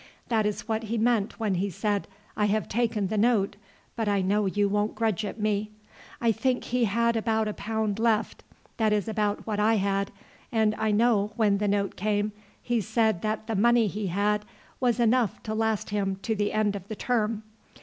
That is what he meant when he said, 'I have taken the note, but I know you won't grudge it me.' I think he had about a pound left that is about what I had and I know when the note came he said that the money he had was enough to last him to the end of the term.